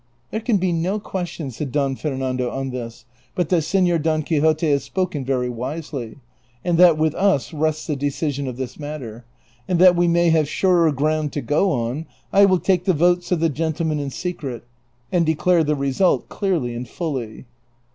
" There can be no question," said Don Fernando on this, "but that Senor Don Quixote has spoken very wisely, and that with us rests the decision of this matter ; and that we may have surer ground to go on, I will take the votes of the gentle men in secret, and declare the result clearly and fully."